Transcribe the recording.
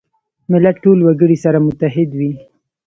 ملت ټول وګړي سره متحد وي.